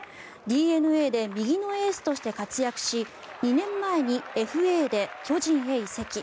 ＤｅＮＡで右のエースとして活躍し２年前にＦＡで巨人に移籍。